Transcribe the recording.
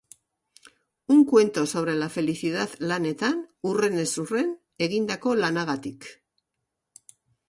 Un cuento sobre la felicidad lanetan, hurrenez hurren, egindako lanagatik.